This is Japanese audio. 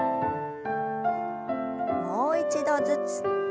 もう一度ずつ。